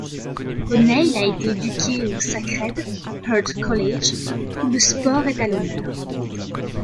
O'Neill a été éduqué au Sacred Heart College où le sport est à l'honneur.